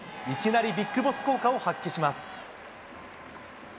いきなりビッグボス効果を発揮します。